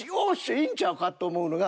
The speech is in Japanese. いいんちゃうかって思うのが。